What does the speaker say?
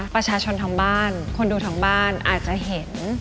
ประชาชนทั้งบ้านคนดูทั้งบ้านอาจจะเห็น